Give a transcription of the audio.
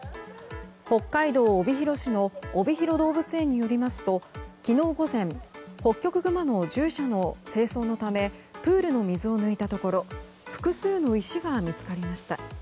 北海道帯広市のおびひろ動物園によりますと昨日午前、ホッキョクグマの獣舎の清掃のためプールの水を抜いたところ複数の石が見つかりました。